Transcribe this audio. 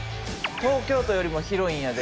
東京都よりも広いんやで。